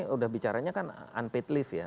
sudah bicaranya kan unpaid leave